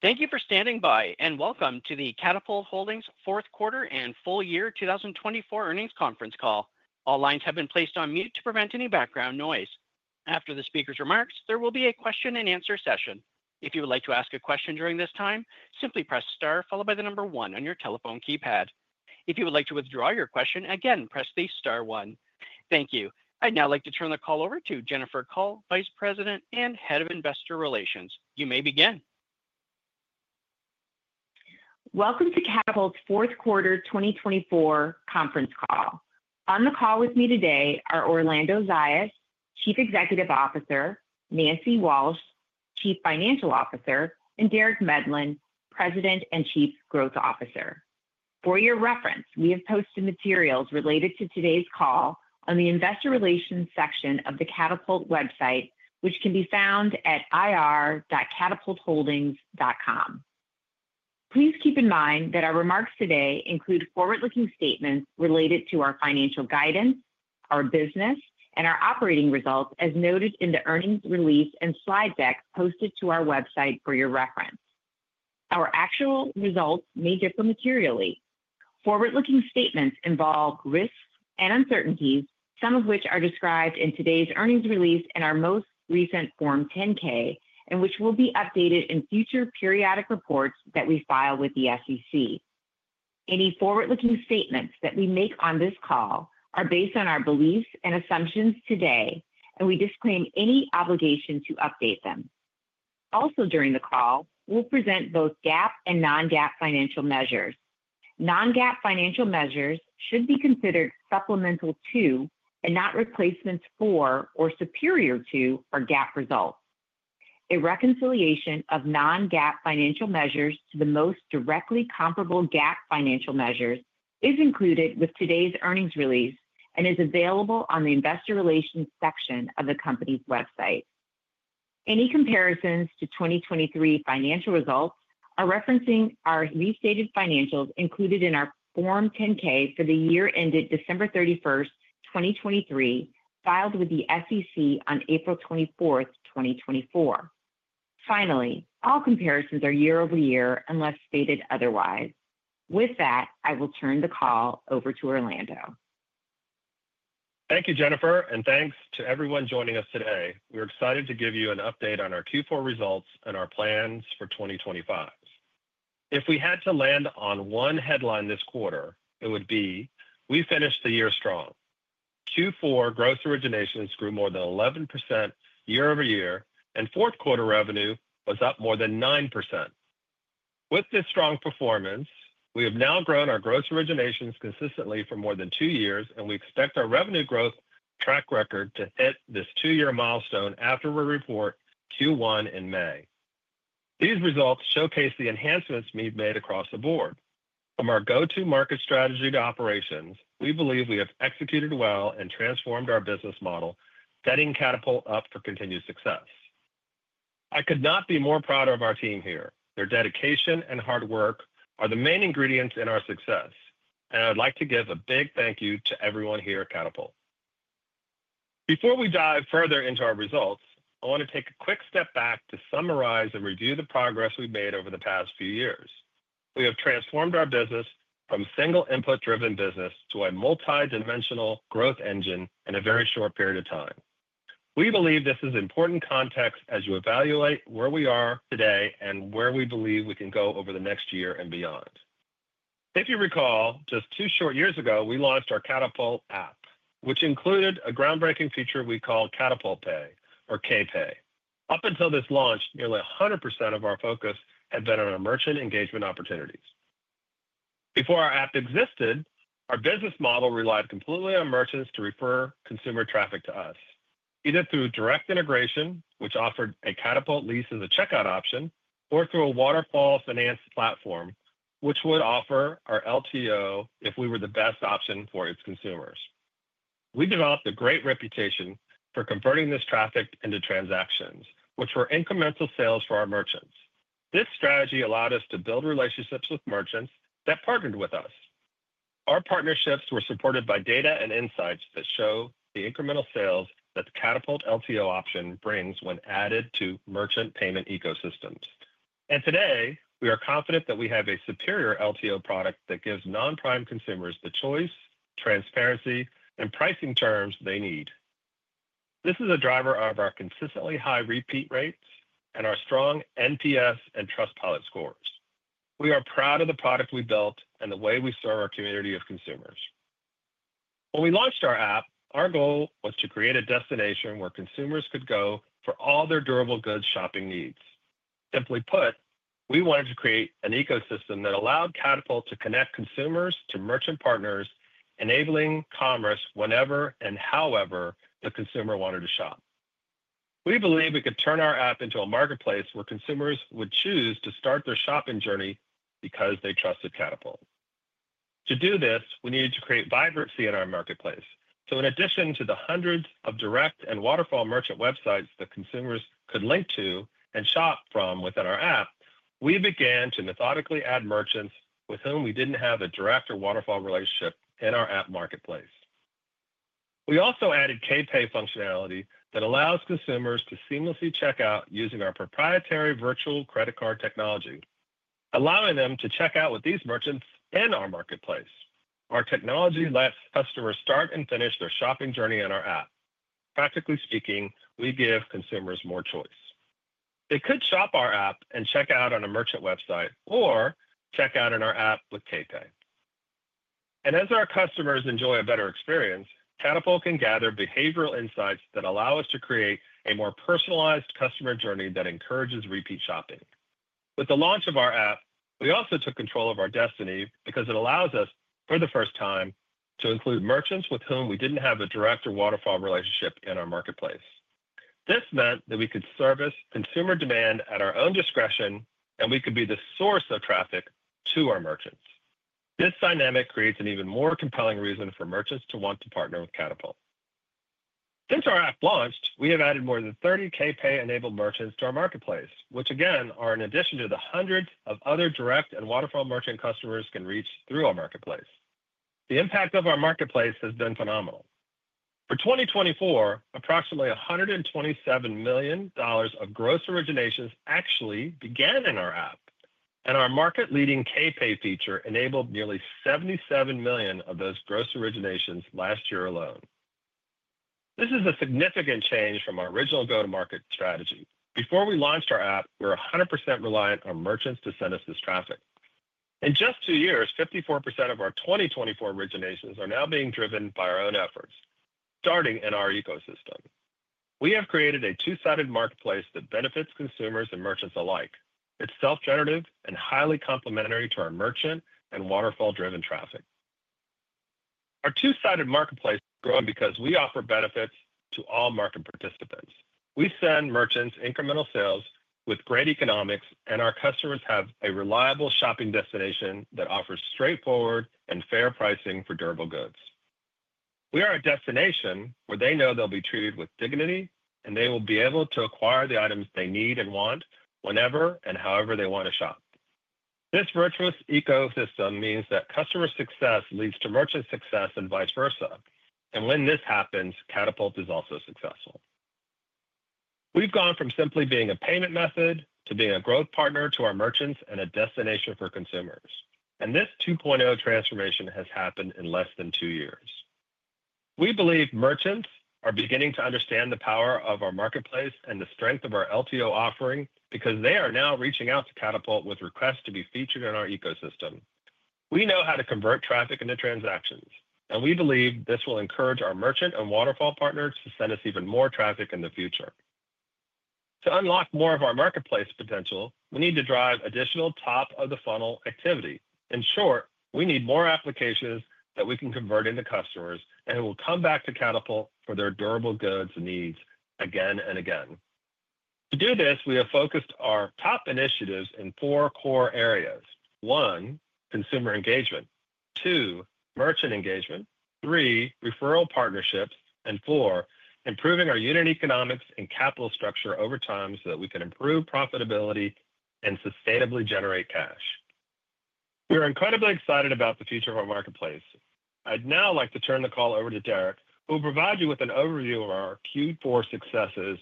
Thank you for standing by, and welcome to the Katapult Holdings fourth quarter and full year 2024 earnings conference call. All lines have been placed on mute to prevent any background noise. After the speakers' remarks, there will be a question and answer session. If you would like to ask a question during this time, simply press star followed by the number one on your telephone keypad. If you would like to withdraw your question, again, press the star one. Thank you. I'd now like to turn the call over to Jennifer Kull, Vice President and Head of Investor Relations. You may begin. Welcome to Katapult's fourth quarter 2024 conference call. On the call with me today are Orlando Zayas, Chief Executive Officer; Nancy Walsh, Chief Financial Officer; and Derek Medlin, President and Chief Growth Officer. For your reference, we have posted materials related to today's call on the Investor Relations section of the Katapult website, which can be found at ir.katapultholdings.com. Please keep in mind that our remarks today include forward-looking statements related to our financial guidance, our business, and our operating results as noted in the earnings release and slide deck posted to our website for your reference. Our actual results may differ materially. Forward-looking statements involve risks and uncertainties, some of which are described in today's earnings release and our most recent Form 10-K, and which will be updated in future periodic reports that we file with the SEC. Any forward-looking statements that we make on this call are based on our beliefs and assumptions today, and we disclaim any obligation to update them. Also, during the call, we will present both GAAP and non-GAAP financial measures. Non-GAAP financial measures should be considered supplemental to, and not replacements for, or superior to, our GAAP results. A reconciliation of non-GAAP financial measures to the most directly comparable GAAP financial measures is included with today's earnings release and is available on the Investor Relations section of the company's website. Any comparisons to 2023 financial results are referencing our restated financials included in our Form 10-K for the year ended December 31st, 2023, filed with the SEC on April 24th, 2024. Finally, all comparisons are year-over-year unless stated otherwise. With that, I will turn the call over to Orlando. Thank you, Jennifer, and thanks to everyone joining us today. We're excited to give you an update on our Q4 results and our plans for 2025. If we had to land on one headline this quarter, it would be, "We finished the year strong." Q4 gross originations grew more than 11% year-over-year, and fourth quarter revenue was up more than 9%. With this strong performance, we have now grown our gross originations consistently for more than two years, and we expect our revenue growth track record to hit this two-year milestone after we report Q1 in May. These results showcase the enhancements we've made across the board. From our go-to market strategy to operations, we believe we have executed well and transformed our business model, setting Katapult up for continued success. I could not be more proud of our team here. Their dedication and hard work are the main ingredients in our success, and I'd like to give a big thank you to everyone here at Katapult. Before we dive further into our results, I want to take a quick step back to summarize and review the progress we've made over the past few years. We have transformed our business from a single input-driven business to a multi-dimensional growth engine in a very short period of time. We believe this is important context as you evaluate where we are today and where we believe we can go over the next year and beyond. If you recall, just two short years ago, we launched our Katapult App, which included a groundbreaking feature we called Katapult Pay, or K-Pay. Up until this launch, nearly 100% of our focus had been on our merchant engagement opportunities. Before our app existed, our business model relied completely on merchants to refer consumer traffic to us, either through direct integration, which offered a Katapult lease as a checkout option, or through a waterfall finance platform, which would offer our LTO if we were the best option for its consumers. We developed a great reputation for converting this traffic into transactions, which were incremental sales for our merchants. This strategy allowed us to build relationships with merchants that partnered with us. Our partnerships were supported by data and insights that show the incremental sales that the Katapult LTO option brings when added to merchant payment ecosystems. Today, we are confident that we have a superior LTO product that gives non-prime consumers the choice, transparency, and pricing terms they need. This is a driver of our consistently high repeat rates and our strong NPS and Trustpilot scores. We are proud of the product we built and the way we serve our community of consumers. When we launched our app, our goal was to create a destination where consumers could go for all their durable goods shopping needs. Simply put, we wanted to create an ecosystem that allowed Katapult to connect consumers to merchant partners, enabling commerce whenever and however the consumer wanted to shop. We believe we could turn our app into a marketplace where consumers would choose to start their shopping journey because they trusted Katapult. To do this, we needed to create vibrancy in our marketplace. In addition to the hundreds of direct and Waterfall merchant websites that consumers could link to and shop from within our app, we began to methodically add merchants with whom we did not have a direct or Waterfall relationship in our app marketplace. We also added K-Pay functionality that allows consumers to seamlessly check out using our proprietary virtual credit card technology, allowing them to check out with these merchants in our marketplace. Our technology lets customers start and finish their shopping journey in our app. Practically speaking, we give consumers more choice. They could shop our app and check out on a merchant website or check out in our app with K-Pay. As our customers enjoy a better experience, Katapult can gather behavioral insights that allow us to create a more personalized customer journey that encourages repeat shopping. With the launch of our app, we also took control of our destiny because it allows us, for the first time, to include merchants with whom we didn't have a direct or Waterfall relationship in our marketplace. This meant that we could service consumer demand at our own discretion, and we could be the source of traffic to our merchants. This dynamic creates an even more compelling reason for merchants to want to partner with Katapult. Since our app launched, we have added more than 30 K-Pay-enabled merchants to our marketplace, which again are in addition to the hundreds of other direct and Waterfall merchant customers can reach through our marketplace. The impact of our marketplace has been phenomenal. For 2024, approximately $127 million of gross originations actually began in our app, and our market-leading K-Pay feature enabled nearly $77 million of those gross originations last year alone. This is a significant change from our original go-to-market strategy. Before we launched our app, we were 100% reliant on merchants to send us this traffic. In just two years, 54% of our 2024 originations are now being driven by our own efforts, starting in our ecosystem. We have created a two-sided marketplace that benefits consumers and merchants alike. It is self-generative and highly complementary to our merchant and Waterfall-driven traffic. Our two-sided marketplace has grown because we offer benefits to all market participants. We send merchants incremental sales with great economics, and our customers have a reliable shopping destination that offers straightforward and fair pricing for durable goods. We are a destination where they know they will be treated with dignity, and they will be able to acquire the items they need and want whenever and however they want to shop. This virtuous ecosystem means that customer success leads to merchant success and vice versa, and when this happens, Katapult is also successful. We've gone from simply being a payment method to being a growth partner to our merchants and a destination for consumers, and this 2.0 transformation has happened in less than two years. We believe merchants are beginning to understand the power of our marketplace and the strength of our LTO offering because they are now reaching out to Katapult with requests to be featured in our ecosystem. We know how to convert traffic into transactions, and we believe this will encourage our merchant and Waterfall partners to send us even more traffic in the future. To unlock more of our marketplace potential, we need to drive additional top-of-the-funnel activity. In short, we need more applications that we can convert into customers and who will come back to Katapult for their durable goods and needs again and again. To do this, we have focused our top initiatives in four core areas: one, consumer engagement; two, merchant engagement; three, referral partnerships; and four, improving our unit economics and capital structure over time so that we can improve profitability and sustainably generate cash. We are incredibly excited about the future of our marketplace. I'd now like to turn the call over to Derek, who will provide you with an overview of our Q4 successes,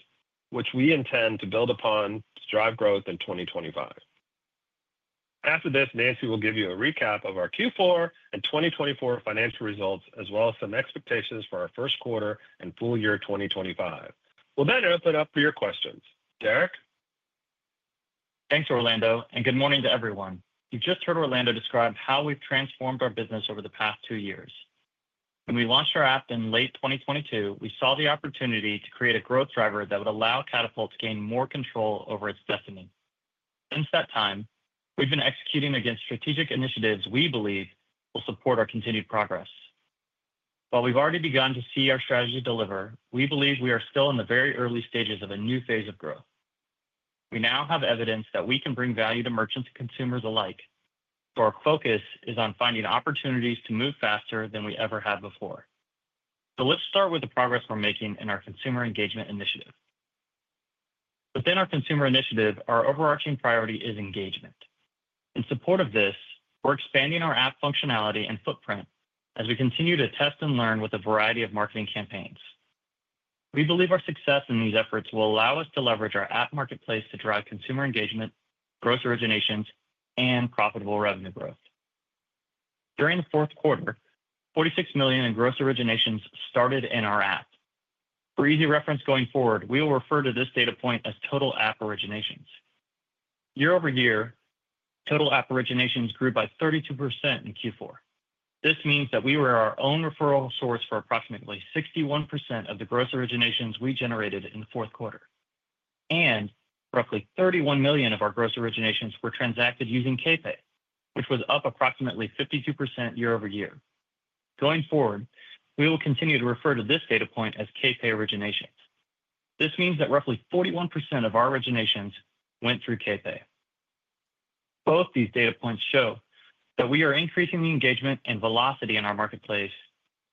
which we intend to build upon to drive growth in 2025. After this, Nancy will give you a recap of our Q4 and 2024 financial results, as well as some expectations for our first quarter and full year 2025. We'll then open up for your questions. Derek? Thanks, Orlando, and good morning to everyone. You've just heard Orlando describe how we've transformed our business over the past two years. When we launched our app in late 2022, we saw the opportunity to create a growth driver that would allow Katapult to gain more control over its destiny. Since that time, we've been executing against strategic initiatives we believe will support our continued progress. While we've already begun to see our strategy deliver, we believe we are still in the very early stages of a new phase of growth. We now have evidence that we can bring value to merchants and consumers alike, so our focus is on finding opportunities to move faster than we ever have before. Let's start with the progress we're making in our consumer engagement initiative. Within our consumer initiative, our overarching priority is engagement. In support of this, we're expanding our app functionality and footprint as we continue to test and learn with a variety of marketing campaigns. We believe our success in these efforts will allow us to leverage our app marketplace to drive consumer engagement, gross originations, and profitable revenue growth. During the fourth quarter, $46 million in gross originations started in our app. For easy reference going forward, we will refer to this data point as total app originations. Year-over-year, total app originations grew by 32% in Q4. This means that we were our own referral source for approximately 61% of the gross originations we generated in the fourth quarter. Roughly $31 million of our gross originations were transacted using K-Pay, which was up approximately 52% year-over-year. Going forward, we will continue to refer to this data point as K-Pay originations. This means that roughly 41% of our originations went through K-Pay. Both these data points show that we are increasing the engagement and velocity in our marketplace,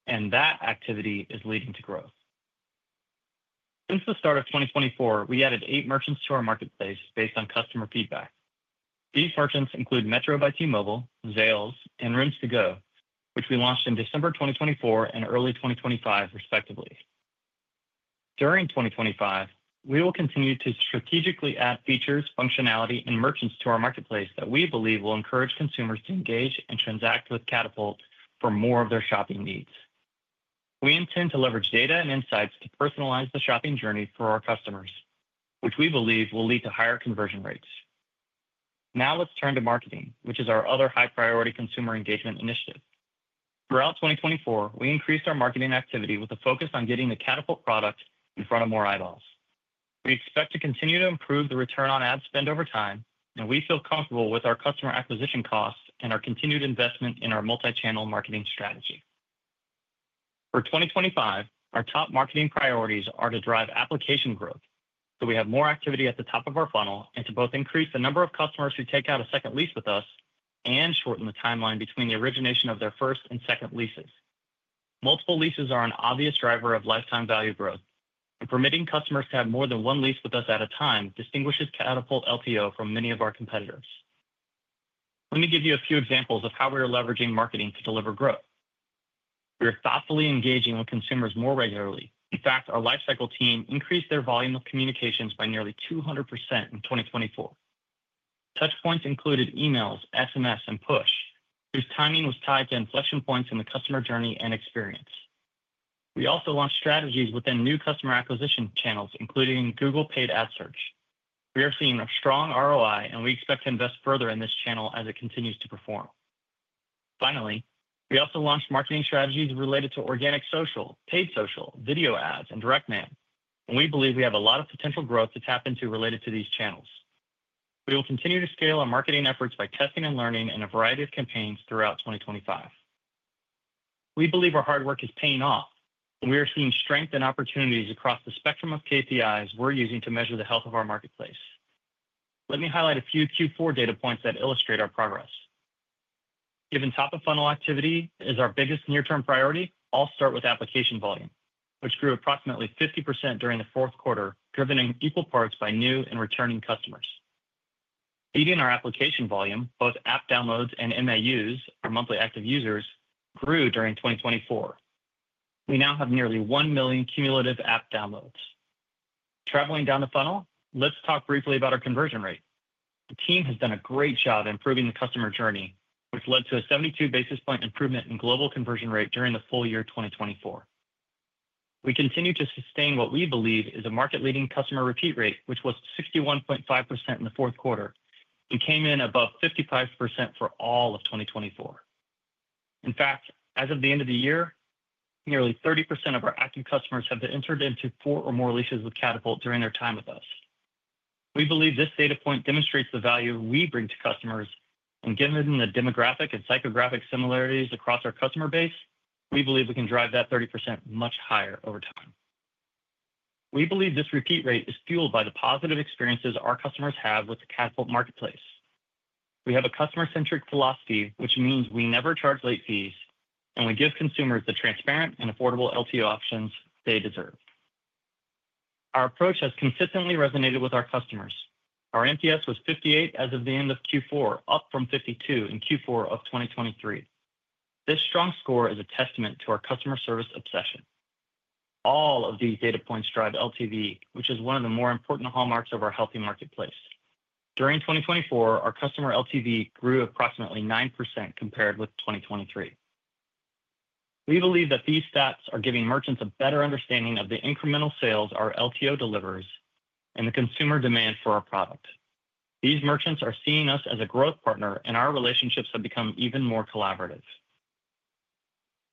and that activity is leading to growth. Since the start of 2024, we added eight merchants to our marketplace based on customer feedback. These merchants include Metro by T-Mobile, Zales, and Rims To Go, which we launched in December 2024 and early 2025, respectively. During 2025, we will continue to strategically add features, functionality, and merchants to our marketplace that we believe will encourage consumers to engage and transact with Katapult for more of their shopping needs. We intend to leverage data and insights to personalize the shopping journey for our customers, which we believe will lead to higher conversion rates. Now let's turn to marketing, which is our other high-priority consumer engagement initiative. Throughout 2024, we increased our marketing activity with a focus on getting the Katapult product in front of more eyeballs. We expect to continue to improve the return on ad spend over time, and we feel comfortable with our customer acquisition costs and our continued investment in our multi-channel marketing strategy. For 2025, our top marketing priorities are to drive application growth, so we have more activity at the top of our funnel and to both increase the number of customers who take out a second lease with us and shorten the timeline between the origination of their first and second leases. Multiple leases are an obvious driver of lifetime value growth, and permitting customers to have more than one lease with us at a time distinguishes Katapult LTO from many of our competitors. Let me give you a few examples of how we are leveraging marketing to deliver growth. We are thoughtfully engaging with consumers more regularly. In fact, our lifecycle team increased their volume of communications by nearly 200% in 2024. Touch points included emails, SMS, and push, whose timing was tied to inflection points in the customer journey and experience. We also launched strategies within new customer acquisition channels, including Google Paid Ad Search. We are seeing a strong ROI, and we expect to invest further in this channel as it continues to perform. Finally, we also launched marketing strategies related to organic social, paid social, video ads, and direct mail, and we believe we have a lot of potential growth to tap into related to these channels. We will continue to scale our marketing efforts by testing and learning in a variety of campaigns throughout 2025. We believe our hard work is paying off, and we are seeing strength and opportunities across the spectrum of KPIs we're using to measure the health of our marketplace. Let me highlight a few Q4 data points that illustrate our progress. Given top-of-funnel activity is our biggest near-term priority, I'll start with application volume, which grew approximately 50% during the fourth quarter, driven in equal parts by new and returning customers. Feeding our application volume, both app downloads and MAUs for monthly active users grew during 2024. We now have nearly 1 million cumulative app downloads. Traveling down the funnel, let's talk briefly about our conversion rate. The team has done a great job improving the customer journey, which led to a 72 basis point improvement in global conversion rate during the full year 2024. We continue to sustain what we believe is a market-leading customer repeat rate, which was 61.5% in the fourth quarter and came in above 55% for all of 2024. In fact, as of the end of the year, nearly 30% of our active customers have entered into four or more leases with Katapult during their time with us. We believe this data point demonstrates the value we bring to customers, and given the demographic and psychographic similarities across our customer base, we believe we can drive that 30% much higher over time. We believe this repeat rate is fueled by the positive experiences our customers have with the Katapult marketplace. We have a customer-centric philosophy, which means we never charge late fees, and we give consumers the transparent and affordable LTO options they deserve. Our approach has consistently resonated with our customers. Our NPS was 58 as of the end of Q4, up from 52 in Q4 of 2023. This strong score is a testament to our customer service obsession. All of these data points drive LTV, which is one of the more important hallmarks of our healthy marketplace. During 2024, our customer LTV grew approximately 9% compared with 2023. We believe that these stats are giving merchants a better understanding of the incremental sales our LTO delivers and the consumer demand for our product. These merchants are seeing us as a growth partner, and our relationships have become even more collaborative.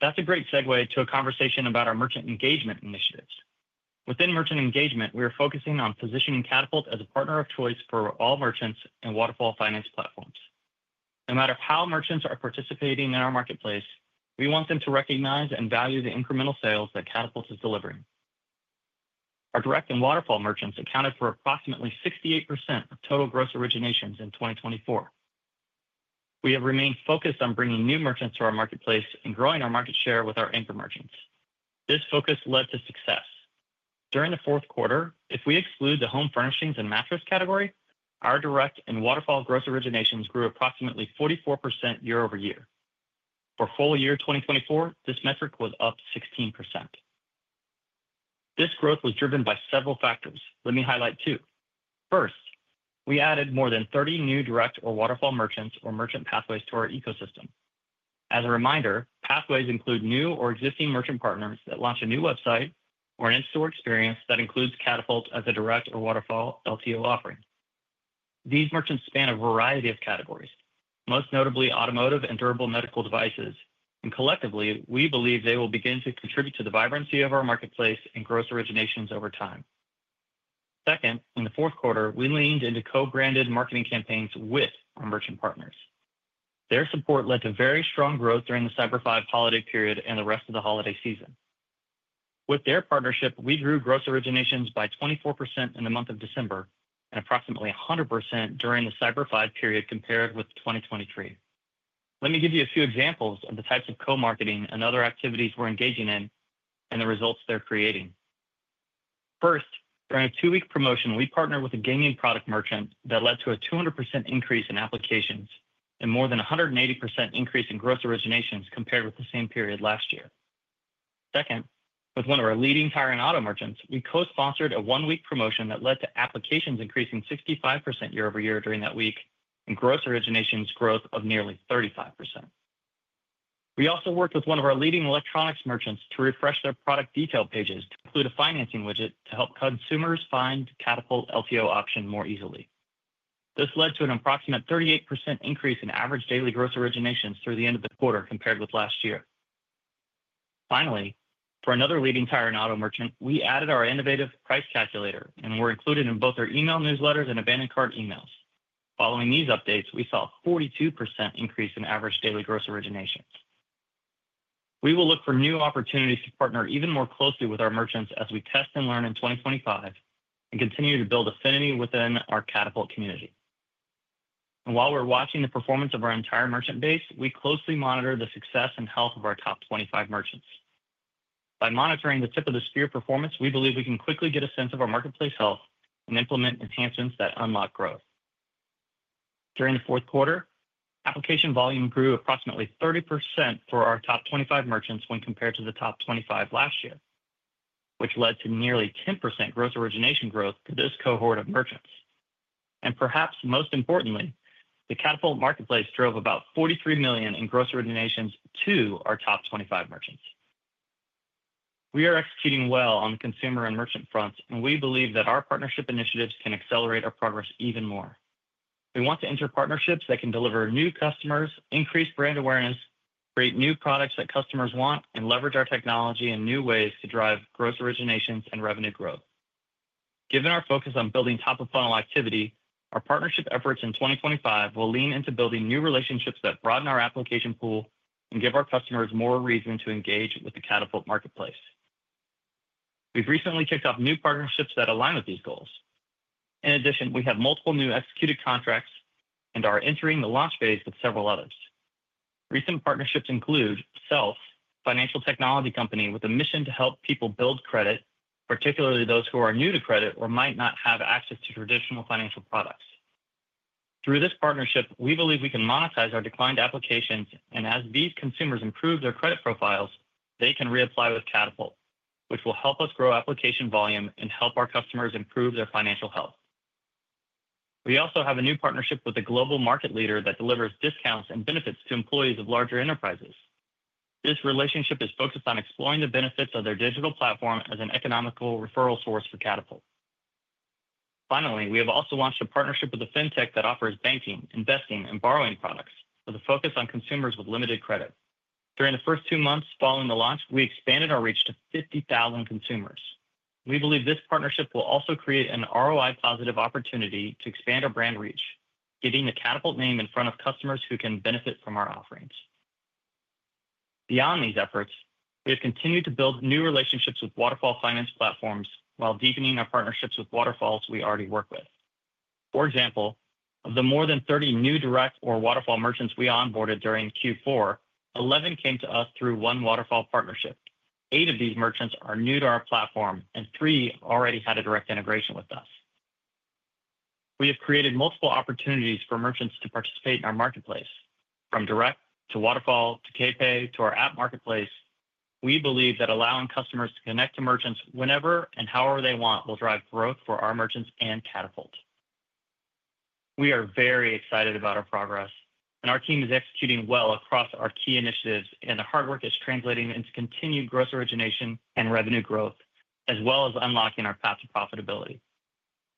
That's a great segue to a conversation about our merchant engagement initiatives. Within merchant engagement, we are focusing on positioning Katapult as a partner of choice for all merchants and Waterfall finance platforms. No matter how merchants are participating in our marketplace, we want them to recognize and value the incremental sales that Katapult is delivering. Our direct and Waterfall merchants accounted for approximately 68% of total gross originations in 2024. We have remained focused on bringing new merchants to our marketplace and growing our market share with our anchor merchants. This focus led to success. During the fourth quarter, if we exclude the Home Furnishings and Mattress category, our Direct and Waterfall gross originations grew approximately 44% year-over-year. For full year 2024, this metric was up 16%. This growth was driven by several factors. Let me highlight two. First, we added more than 30 new direct or Waterfall merchants or merchant pathways to our ecosystem. As a reminder, pathways include new or existing merchant partners that launch a new website or an in-store experience that includes Katapult as a Direct or Waterfall LTO offering. These merchants span a variety of categories, most notably automotive and durable medical devices, and collectively, we believe they will begin to contribute to the vibrancy of our marketplace and gross originations over time. Second, in the fourth quarter, we leaned into co-branded marketing campaigns with our merchant partners. Their support led to very strong growth during the Cyber 5 holiday period and the rest of the holiday season. With their partnership, we grew gross originations by 24% in the month of December and approximately 100% during the Cyber 5 period compared with 2023. Let me give you a few examples of the types of co-marketing and other activities we're engaging in and the results they're creating. First, during a two-week promotion, we partnered with a gaming product merchant that led to a 200% increase in applications and more than 180% increase in gross originations compared with the same period last year. Second, with one of our leading Tire and Auto merchants, we co-sponsored a one-week promotion that led to applications increasing 65% year-over-year during that week and gross originations growth of nearly 35%. We also worked with one of our leading electronics merchants to refresh their product detail pages to include a financing widget to help consumers find Katapult LTO option more easily. This led to an approximate 38% increase in average daily gross originations through the end of the quarter compared with last year. Finally, for another leading Tire and Auto merchant, we added our innovative price calculator and were included in both our email newsletters and abandoned cart emails. Following these updates, we saw a 42% increase in average daily gross originations. We will look for new opportunities to partner even more closely with our merchants as we test and learn in 2025 and continue to build affinity within our Katapult community. While we're watching the performance of our entire merchant base, we closely monitor the success and health of our top 25 merchants. By monitoring the tip of the spear performance, we believe we can quickly get a sense of our marketplace health and implement enhancements that unlock growth. During the fourth quarter, application volume grew approximately 30% for our top 25 merchants when compared to the top 25 last year, which led to nearly 10% gross origination growth to this cohort of merchants. Perhaps most importantly, the Katapult Marketplace drove about $43 million in gross originations to our top 25 merchants. We are executing well on the consumer and merchant fronts, and we believe that our partnership initiatives can accelerate our progress even more. We want to enter partnerships that can deliver new customers, increase brand awareness, create new products that customers want, and leverage our technology in new ways to drive gross originations and revenue growth. Given our focus on building top-of-funnel activity, our partnership efforts in 2025 will lean into building new relationships that broaden our application pool and give our customers more reason to engage with the Katapult Marketplace. We've recently kicked off new partnerships that align with these goals. In addition, we have multiple new executed contracts and are entering the launch phase with several others. Recent partnerships include Self, a financial technology company with a mission to help people build credit, particularly those who are new to credit or might not have access to traditional financial products. Through this partnership, we believe we can monetize our declined applications, and as these consumers improve their credit profiles, they can reapply with Katapult, which will help us grow application volume and help our customers improve their financial health. We also have a new partnership with a global market leader that delivers discounts and benefits to employees of larger enterprises. This relationship is focused on exploring the benefits of their digital platform as an economical referral source for Katapult. Finally, we have also launched a partnership with a fintech that offers banking, investing, and borrowing products with a focus on consumers with limited credit. During the first two months following the launch, we expanded our reach to 50,000 consumers. We believe this partnership will also create an ROI-positive opportunity to expand our brand reach, getting the Katapult name in front of customers who can benefit from our offerings. Beyond these efforts, we have continued to build new relationships with Waterfall finance platforms while deepening our partnerships with Waterfalls we already work with. For example, of the more than 30 new direct or Waterfall merchants we onboarded during Q4, 11 came to us through one Waterfall partnership. Eight of these merchants are new to our platform, and three already had a direct integration with us. We have created multiple opportunities for merchants to participate in our marketplace. From Direct to Waterfall to K-Pay to our app marketplace, we believe that allowing customers to connect to merchants whenever and however they want will drive growth for our merchants and Katapult. We are very excited about our progress, and our team is executing well across our key initiatives, and the hard work is translating into continued gross origination and revenue growth, as well as unlocking our path to profitability.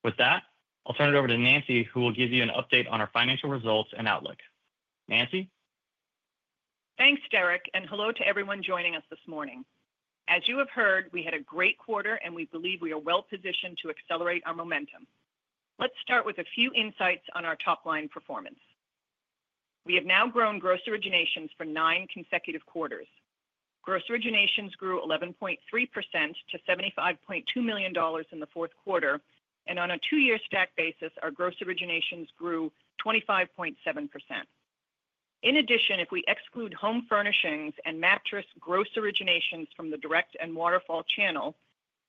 With that, I'll turn it over to Nancy, who will give you an update on our financial results and outlook. Nancy? Thanks, Derek, and hello to everyone joining us this morning. As you have heard, we had a great quarter, and we believe we are well positioned to accelerate our momentum. Let's start with a few insights on our top-line performance. We have now grown gross originations for nine consecutive quarters. Gross originations grew 11.3% to $75.2 million in the fourth quarter, and on a two-year stack basis, our gross originations grew 25.7%. In addition, if we exclude Home Furnishings and Mattress gross originations from the Direct and Waterfall channel,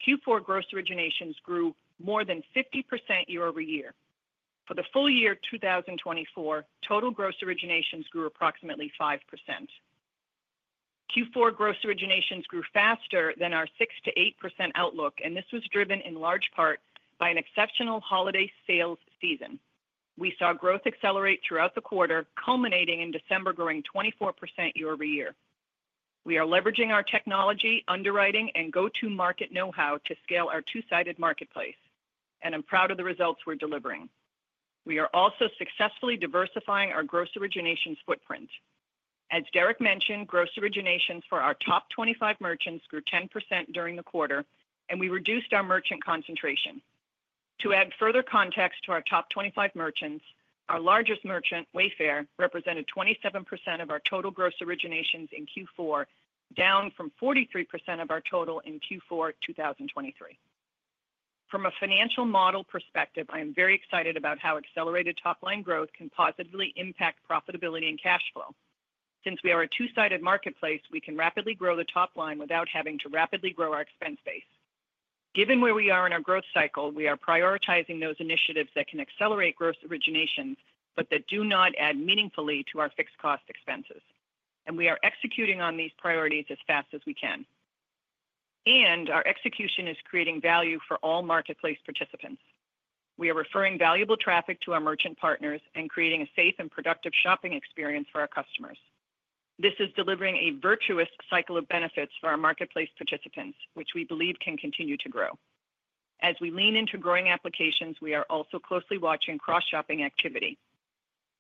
Q4 gross originations grew more than 50% year-over-year. For the full year 2024, total gross originations grew approximately 5%. Q4 gross originations grew faster than our 6%-8% outlook, and this was driven in large part by an exceptional holiday sales season. We saw growth accelerate throughout the quarter, culminating in December growing 24% year-over-year. We are leveraging our technology, underwriting, and go-to-market know-how to scale our two-sided marketplace, and I'm proud of the results we're delivering. We are also successfully diversifying our gross originations footprint. As Derek mentioned, gross originations for our top 25 merchants grew 10% during the quarter, and we reduced our merchant concentration. To add further context to our top 25 merchants, our largest merchant, Wayfair, represented 27% of our total gross originations in Q4, down from 43% of our total in Q4 2023. From a financial model perspective, I am very excited about how accelerated top-line growth can positively impact profitability and cash flow. Since we are a two-sided marketplace, we can rapidly grow the top line without having to rapidly grow our expense base. Given where we are in our growth cycle, we are prioritizing those initiatives that can accelerate gross originations but that do not add meaningfully to our fixed cost expenses, and we are executing on these priorities as fast as we can. Our execution is creating value for all marketplace participants. We are referring valuable traffic to our merchant partners and creating a safe and productive shopping experience for our customers. This is delivering a virtuous cycle of benefits for our marketplace participants, which we believe can continue to grow. As we lean into growing applications, we are also closely watching cross-shopping activity.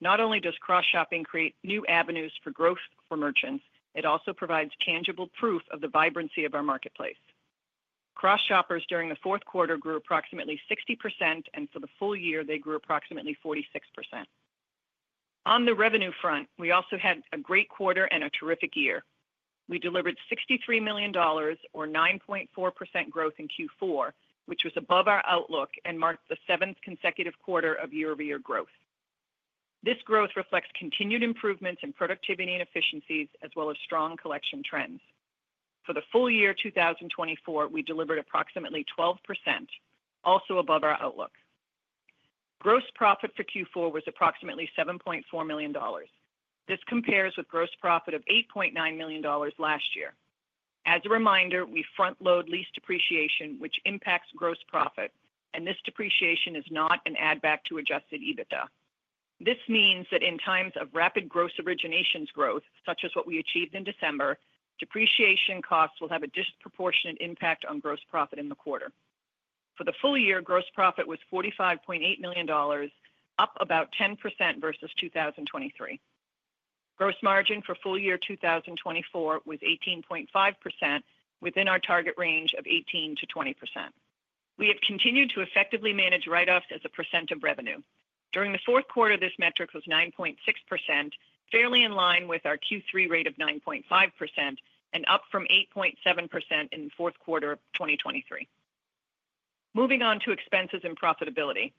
Not only does cross-shopping create new avenues for growth for merchants, it also provides tangible proof of the vibrancy of our marketplace. Cross-shoppers during the fourth quarter grew approximately 60%, and for the full year, they grew approximately 46%. On the revenue front, we also had a great quarter and a terrific year. We delivered $63 million, or 9.4% growth in Q4, which was above our outlook and marked the seventh consecutive quarter of year-over-year growth. This growth reflects continued improvements in productivity and efficiencies, as well as strong collection trends. For the full year 2024, we delivered approximately 12%, also above our outlook. Gross profit for Q4 was approximately $7.4 million. This compares with gross profit of $8.9 million last year. As a reminder, we front-load lease depreciation, which impacts gross profit, and this depreciation is not an add-back to adjusted EBITDA. This means that in times of rapid gross originations growth, such as what we achieved in December, depreciation costs will have a disproportionate impact on gross profit in the quarter. For the full year, gross profit was $45.8 million, up about 10% versus 2023. Gross margin for full year 2024 was 18.5%, within our target range of 18%-20%. We have continued to effectively manage write-offs as a percent of revenue. During the fourth quarter, this metric was 9.6%, fairly in line with our Q3 rate of 9.5% and up from 8.7% in the fourth quarter of 2023. Moving on to expenses and profitability.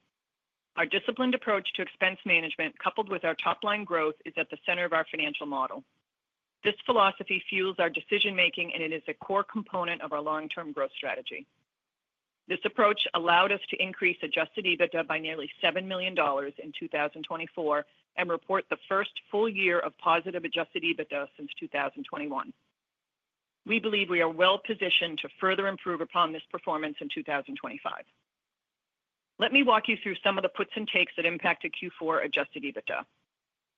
Our disciplined approach to expense management, coupled with our top-line growth, is at the center of our financial model. This philosophy fuels our decision-making, and it is a core component of our long-term growth strategy. This approach allowed us to increase adjusted EBITDA by nearly $7 million in 2024 and report the first full year of positive adjusted EBITDA since 2021. We believe we are well positioned to further improve upon this performance in 2025. Let me walk you through some of the puts and takes that impacted Q4 adjusted EBITDA.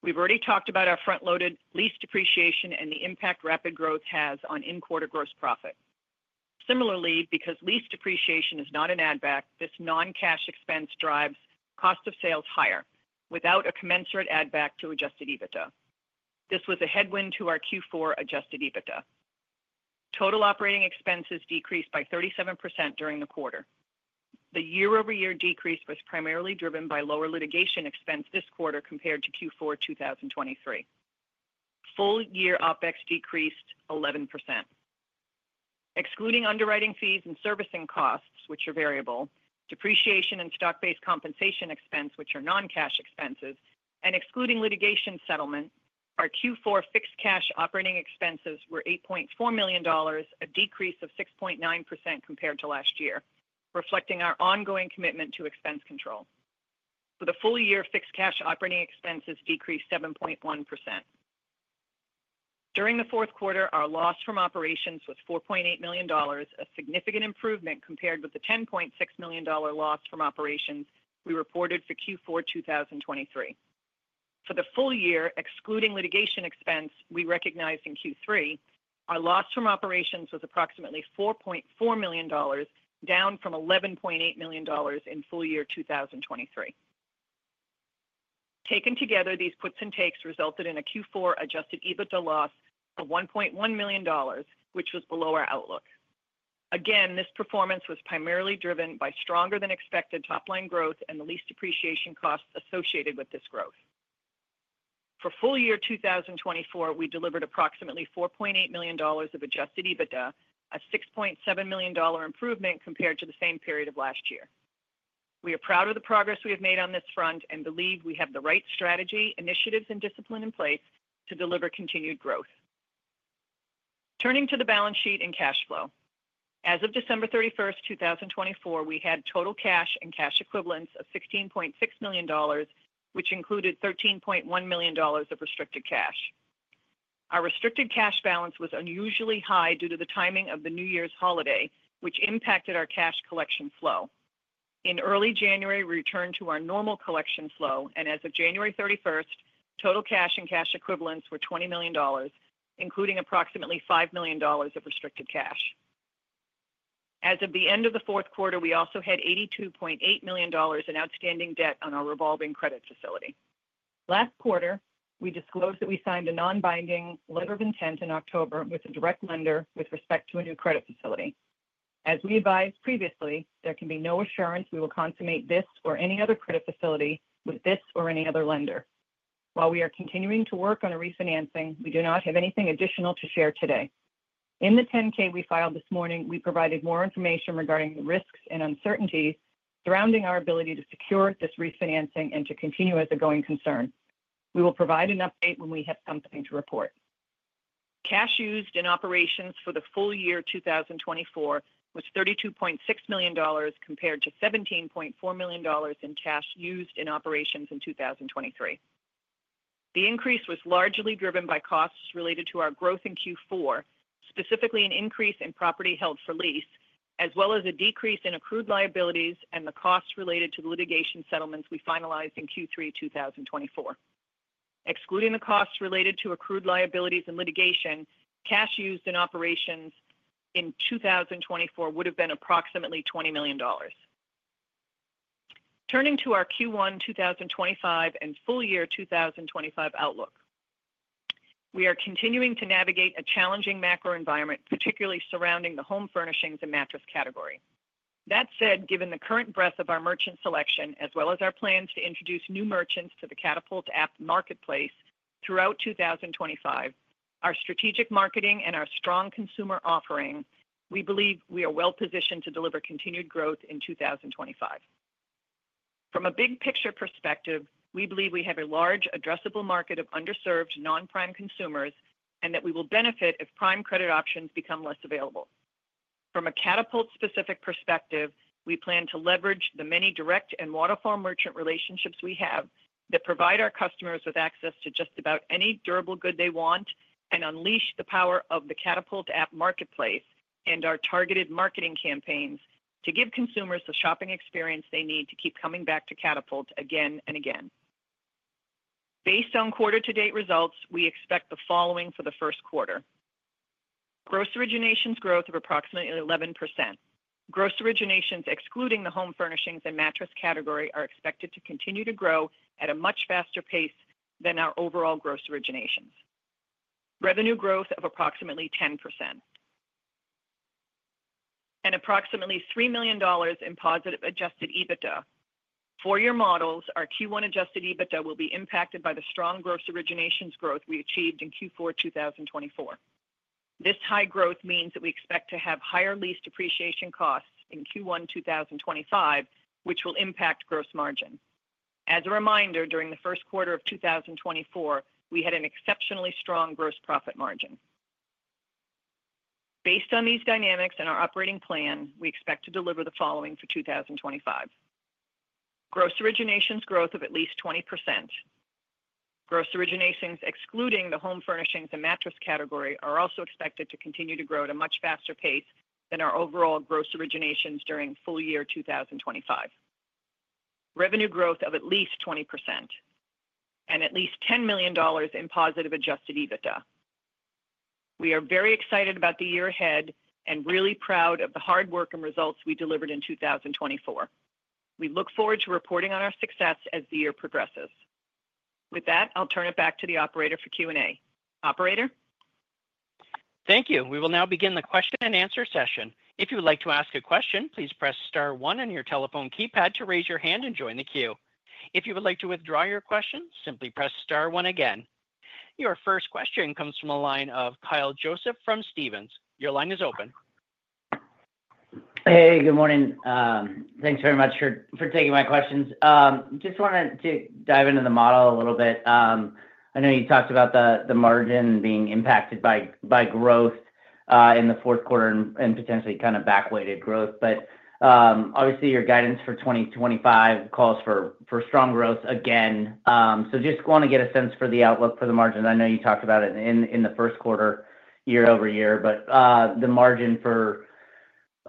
We've already talked about our front-loaded lease depreciation and the impact rapid growth has on in-quarter gross profit. Similarly, because lease depreciation is not an add-back, this non-cash expense drives cost of sales higher without a commensurate add-back to adjusted EBITDA. This was a headwind to our Q4 adjusted EBITDA. Total operating expenses decreased by 37% during the quarter. The year-over-year decrease was primarily driven by lower litigation expense this quarter compared to Q4 2023. Full year OpEx decreased 11%. Excluding underwriting fees and servicing costs, which are variable, depreciation and stock-based compensation expense, which are non-cash expenses, and excluding litigation settlement, our Q4 fixed cash operating expenses were $8.4 million, a decrease of 6.9% compared to last year, reflecting our ongoing commitment to expense control. For the full year, fixed cash operating expenses decreased 7.1%. During the fourth quarter, our loss from operations was $4.8 million, a significant improvement compared with the $10.6 million loss from operations we reported for Q4 2023. For the full year, excluding litigation expense we recognized in Q3, our loss from operations was approximately $4.4 million, down from $11.8 million in full year 2023. Taken together, these puts and takes resulted in a Q4 adjusted EBITDA loss of $1.1 million, which was below our outlook. Again, this performance was primarily driven by stronger-than-expected top-line growth and the least depreciation costs associated with this growth. For full year 2024, we delivered approximately $4.8 million of adjusted EBITDA, a $6.7 million improvement compared to the same period of last year. We are proud of the progress we have made on this front and believe we have the right strategy, initiatives, and discipline in place to deliver continued growth. Turning to the balance sheet and cash flow. As of December 31st, 2024, we had total cash and cash equivalents of $16.6 million, which included $13.1 million of restricted cash. Our restricted cash balance was unusually high due to the timing of the New Year's holiday, which impacted our cash collection flow. In early January, we returned to our normal collection flow, and as of January 31st, total cash and cash equivalents were $20 million, including approximately $5 million of restricted cash. As of the end of the fourth quarter, we also had $82.8 million in outstanding debt on our revolving credit facility. Last quarter, we disclosed that we signed a non-binding letter of intent in October with a direct lender with respect to a new credit facility. As we advised previously, there can be no assurance we will consummate this or any other credit facility with this or any other lender. While we are continuing to work on refinancing, we do not have anything additional to share today. In the 10-K we filed this morning, we provided more information regarding the risks and uncertainties surrounding our ability to secure this refinancing and to continue as a going concern. We will provide an update when we have something to report. Cash used in operations for the full year 2024 was $32.6 million compared to $17.4 million in cash used in operations in 2023. The increase was largely driven by costs related to our growth in Q4, specifically an increase in property held for lease, as well as a decrease in accrued liabilities and the costs related to litigation settlements we finalized in Q3 2024. Excluding the costs related to accrued liabilities and litigation, cash used in operations in 2024 would have been approximately $20 million. Turning to our Q1 2025 and full year 2025 outlook, we are continuing to navigate a challenging macro environment, particularly surrounding the Home Furnishings and Mattress category. That said, given the current breadth of our merchant selection, as well as our plans to introduce new merchants to the Katapult App Marketplace throughout 2025, our strategic marketing and our strong consumer offering, we believe we are well positioned to deliver continued growth in 2025. From a big picture perspective, we believe we have a large, addressable market of underserved non-prime consumers and that we will benefit if prime credit options become less available. From a Katapult-specific perspective, we plan to leverage the many direct and Waterfall merchant relationships we have that provide our customers with access to just about any durable good they want and unleash the power of the Katapult App Marketplace and our targeted marketing campaigns to give consumers the shopping experience they need to keep coming back to Katapult again and again. Based on quarter-to-date results, we expect the following for the first quarter: gross originations growth of approximately 11%. Gross originations, excluding the Home Furnishings and Mattress category, are expected to continue to grow at a much faster pace than our overall gross originations. Revenue growth of approximately 10% and approximately $3 million in positive adjusted EBITDA. For your models, our Q1 adjusted EBITDA will be impacted by the strong gross originations growth we achieved in Q4 2024. This high growth means that we expect to have higher lease depreciation costs in Q1 2025, which will impact gross margin. As a reminder, during the first quarter of 2024, we had an exceptionally strong gross profit margin. Based on these dynamics and our operating plan, we expect to deliver the following for 2025: gross originations growth of at least 20%. Gross originations, excluding the Home Furnishings and Mattress category, are also expected to continue to grow at a much faster pace than our overall gross originations during full year 2025. Revenue growth of at least 20% and at least $10 million in positive adjusted EBITDA. We are very excited about the year ahead and really proud of the hard work and results we delivered in 2024. We look forward to reporting on our success as the year progresses. With that, I'll turn it back to the operator for Q&A. Operator? Thank you. We will now begin the question and answer session. If you would like to ask a question, please press star one on your telephone keypad to raise your hand and join the queue. If you would like to withdraw your question, simply press star one again. Your first question comes from a line of Kyle Joseph from Stephens. Your line is open. Hey, good morning. Thanks very much for taking my questions. Just wanted to dive into the model a little bit. I know you talked about the margin being impacted by growth in the fourth quarter and potentially kind of back-weighted growth. Obviously, your guidance for 2025 calls for strong growth again. Just want to get a sense for the outlook for the margins. I know you talked about it in the first quarter, year-over-year, but the margin for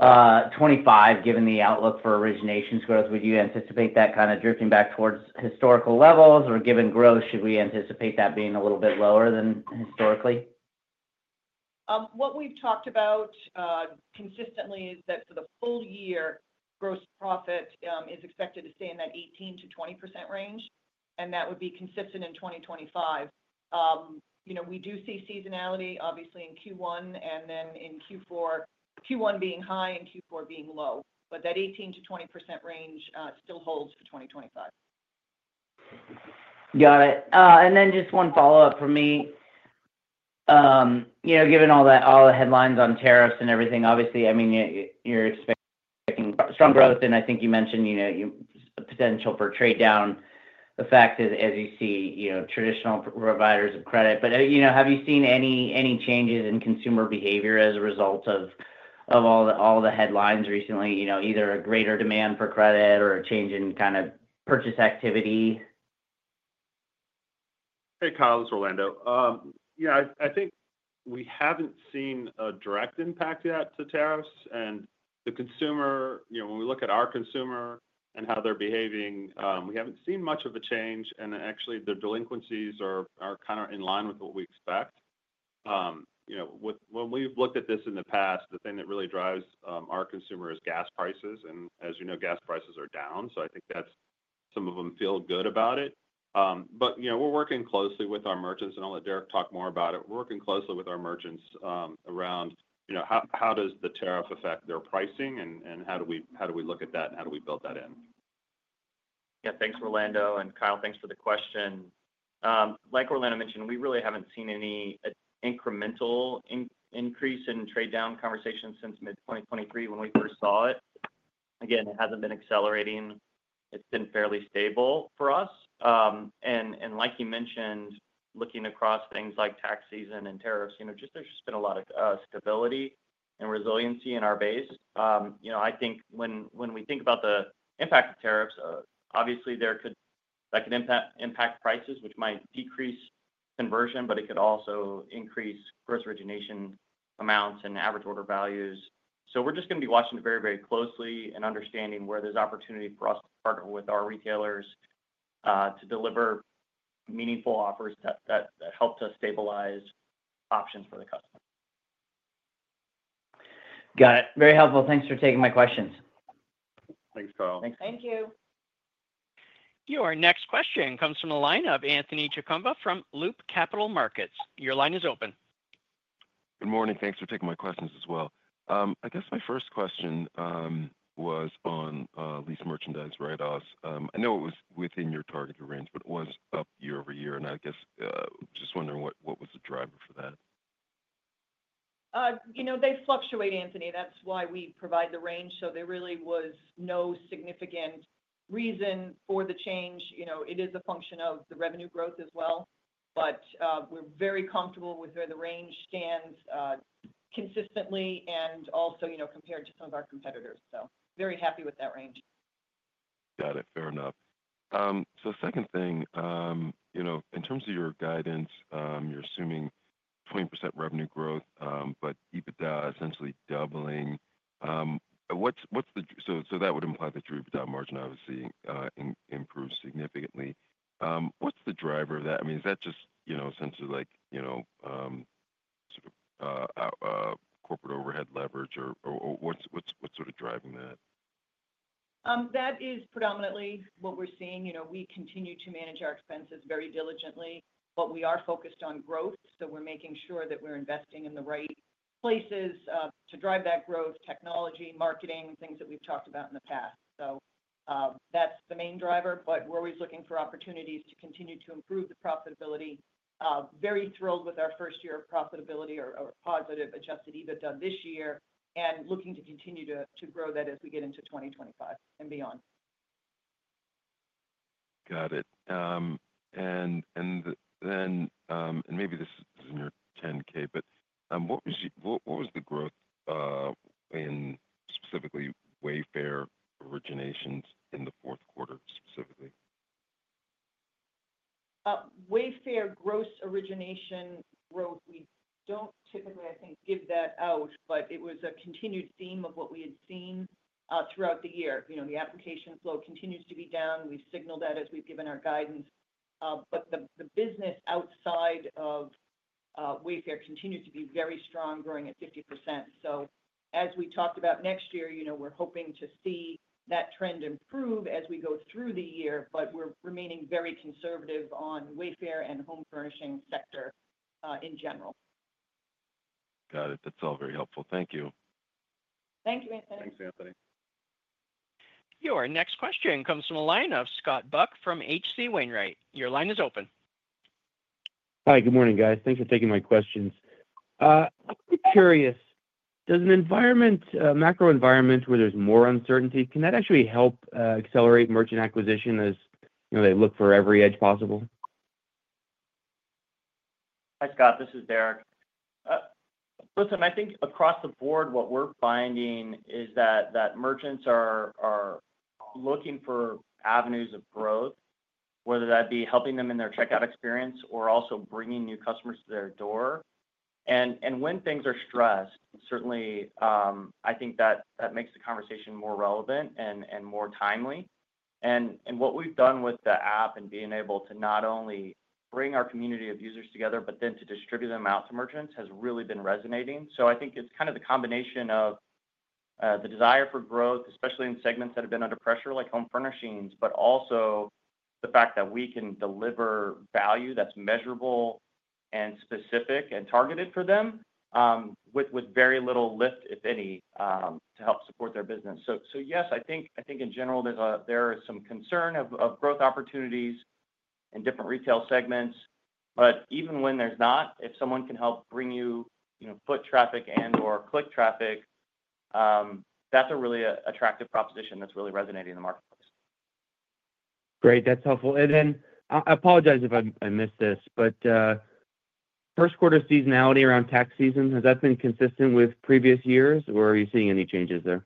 2025, given the outlook for originations growth, would you anticipate that kind of drifting back towards historical levels? Or given growth, should we anticipate that being a little bit lower than historically? What we've talked about consistently is that for the full year, gross profit is expected to stay in that 18%-20% range, and that would be consistent in 2025. We do see seasonality, obviously, in Q1 and then in Q4, Q1 being high and Q4 being low. That 18%-20% range still holds for 2025. Got it. One follow-up from me. Given all the headlines on tariffs and everything, obviously, I mean, you're expecting strong growth, and I think you mentioned potential for trade-down effect as you see traditional providers of credit. Have you seen any changes in consumer behavior as a result of all the headlines recently, either a greater demand for credit or a change in kind of purchase activity? Hey, Kyle, it's Orlando. Yeah, I think we haven't seen a direct impact yet to tariffs. The consumer, when we look at our consumer and how they're behaving, we haven't seen much of a change. Actually, the delinquencies are kind of in line with what we expect. When we've looked at this in the past, the thing that really drives our consumer is gas prices. As you know, gas prices are down. I think that some of them feel good about it. We're working closely with our merchants, and I'll let Derek talk more about it. We're working closely with our merchants around how does the tariff affect their pricing and how do we look at that and how do we build that in. Yeah, thanks, Orlando. And Kyle, thanks for the question. Like Orlando mentioned, we really haven't seen any incremental increase in trade-down conversations since mid-2023 when we first saw it. Again, it hasn't been accelerating. It's been fairly stable for us. And like you mentioned, looking across things like tax season and tariffs, there's just been a lot of stability and resiliency in our base. I think when we think about the impact of tariffs, obviously, that could impact prices, which might decrease conversion, but it could also increase gross origination amounts and average order values. We're just going to be watching it very, very closely and understanding where there's opportunity for us to partner with our retailers to deliver meaningful offers that help to stabilize options for the customer. Got it. Very helpful. Thanks for taking my questions. Thanks, Kyle. Thanks. Thank you. Your next question comes from a line of Anthony Chukumba from Loop Capital Markets. Your line is open. Good morning. Thanks for taking my questions as well. I guess my first question was on lease merchandise write-offs. I know it was within your target range, but it was up year-over-year. I guess just wondering what was the driver for that? They fluctuate, Anthony. That's why we provide the range. There really was no significant reason for the change. It is a function of the revenue growth as well. We're very comfortable with where the range stands consistently and also compared to some of our competitors. Very happy with that range. Got it. Fair enough. Second thing, in terms of your guidance, you're assuming 20% revenue growth, but EBITDA essentially doubling. That would imply that your EBITDA margin obviously improves significantly. What's the driver of that? I mean, is that just essentially sort of corporate overhead leverage, or what's sort of driving that? That is predominantly what we're seeing. We continue to manage our expenses very diligently, but we are focused on growth. We're making sure that we're investing in the right places to drive that growth: technology, marketing, things that we've talked about in the past. That's the main driver. We're always looking for opportunities to continue to improve the profitability. Very thrilled with our first year of profitability or positive adjusted EBITDA this year and looking to continue to grow that as we get into 2025 and beyond. Got it. Maybe this is in your 10-K, but what was the growth in specifically Wayfair originations in the fourth quarter specifically? Wayfair gross origination growth, we do not typically, I think, give that out, but it was a continued theme of what we had seen throughout the year. The application flow continues to be down. We have signaled that as we have given our guidance. The business outside of Wayfair continues to be very strong, growing at 50%. As we talked about next year, we are hoping to see that trend improve as we go through the year, but we are remaining very conservative on Wayfair and Home Furnishing sector in general. Got it. That is all very helpful. Thank you. Thank you, Anthony. Thanks, Anthony. Your next question comes from a line of Scott Buck from H.C. Wainwright. Your line is open. Hi, good morning, guys. Thanks for taking my questions. I'm curious, does an environment, macro environment where there's more uncertainty, can that actually help accelerate merchant acquisition as they look for every edge possible? Hi, Scott. This is Derek. Listen, I think across the board, what we're finding is that merchants are looking for avenues of growth, whether that be helping them in their checkout experience or also bringing new customers to their door. When things are stressed, certainly, I think that makes the conversation more relevant and more timely. What we've done with the app and being able to not only bring our community of users together, but then to distribute them out to merchants has really been resonating. I think it's kind of the combination of the desire for growth, especially in segments that have been under pressure like home furnishings, but also the fact that we can deliver value that's measurable and specific and targeted for them with very little lift, if any, to help support their business. Yes, I think in general, there is some concern of growth opportunities in different retail segments. Even when there's not, if someone can help bring you foot traffic and/or click traffic, that's a really attractive proposition that's really resonating in the marketplace. Great. That's helpful. I apologize if I missed this, but first quarter seasonality around tax season, has that been consistent with previous years, or are you seeing any changes there?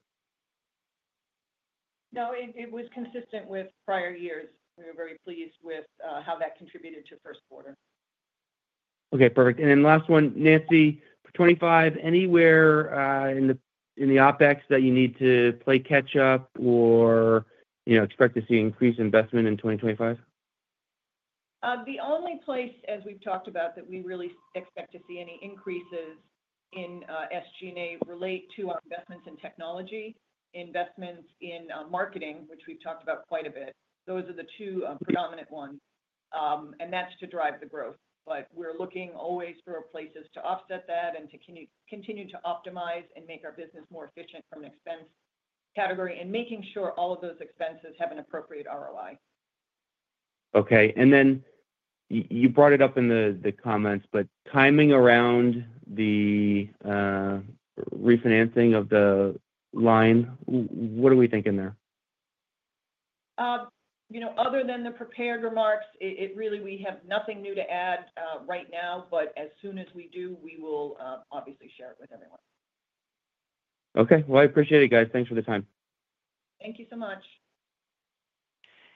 No, it was consistent with prior years. We were very pleased with how that contributed to first quarter. Okay, perfect. Last one, Nancy, for 2025, anywhere in the OpEx that you need to play catch-up or expect to see increased investment in 2025? The only place, as we've talked about, that we really expect to see any increases in SG&A relate to our investments in technology, investments in marketing, which we've talked about quite a bit. Those are the two predominant ones. That is to drive the growth. We are looking always for places to offset that and to continue to optimize and make our business more efficient from an expense category and making sure all of those expenses have an appropriate ROI. Okay. You brought it up in the comments, but timing around the refinancing of the line, what are we thinking there? Other than the prepared remarks, really, we have nothing new to add right now, but as soon as we do, we will obviously share it with everyone. I appreciate it, guys. Thanks for the time. Thank you so much.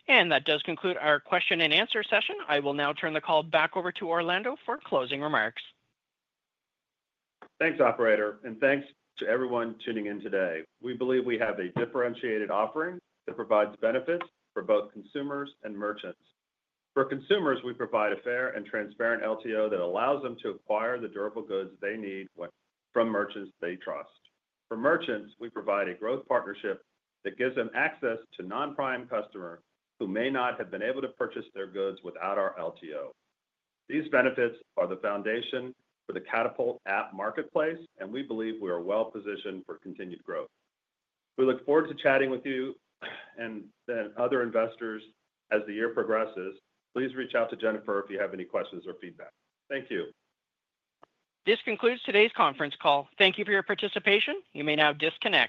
That does conclude our question and answer session. I will now turn the call back over to Orlando for closing remarks. Thanks, Operator. Thanks to everyone tuning in today. We believe we have a differentiated offering that provides benefits for both consumers and merchants. For consumers, we provide a fair and transparent LTO that allows them to acquire the durable goods they need from merchants they trust. For merchants, we provide a growth partnership that gives them access to non-prime customers who may not have been able to purchase their goods without our LTO. These benefits are the foundation for the Katapult App Marketplace, and we believe we are well-positioned for continued growth. We look forward to chatting with you and other investors as the year progresses. Please reach out to Jennifer if you have any questions or feedback. Thank you. This concludes today's conference call. Thank you for your participation. You may now disconnect.